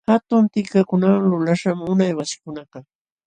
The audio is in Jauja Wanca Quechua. Hatun tikakunawan lulaśhqam unay wasikunakaq.